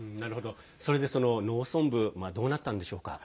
それで、その農村部どうなったんでしょうか？